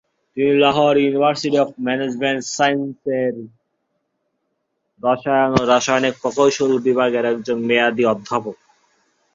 তিনি Lahore University of Management Sciences এর রসায়ন ও রাসায়নিক প্রকৌশল বিভাগের একজন মেয়াদী অধ্যাপক।